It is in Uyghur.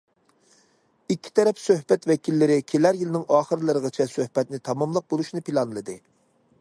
ئىككى تەرەپ سۆھبەت ۋەكىللىرى كېلەر يىلىنىڭ ئاخىرلىرىغىچە سۆھبەتنى تاماملاپ بولۇشنى پىلانلىدى.